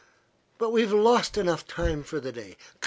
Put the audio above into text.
But we've lost enough time for one day.